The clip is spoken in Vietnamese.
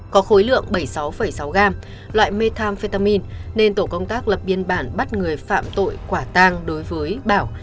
có khối lượng bảy mươi sáu sáu gram loại methamphetamin nên tổ công tác lập biên bản bắt người phạm tội quả tang đối với bảo